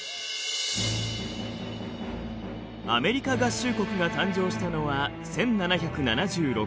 アメリカ合衆国が誕生したのは１７７６年。